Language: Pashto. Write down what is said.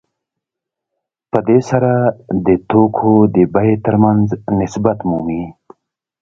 په دې سره د توکو د بیې ترمنځ نسبت مومي